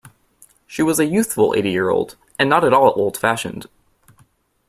She was a youthful eighty-year-old, and not at all old-fashioned.